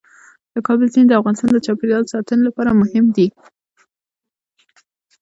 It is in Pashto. د کابل سیند د افغانستان د چاپیریال ساتنې لپاره مهم دي.